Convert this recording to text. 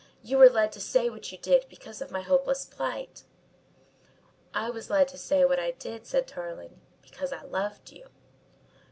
"You were led to say what you did because of my hopeless plight." "I was led to say what I did," said Tarling, "because I loved you."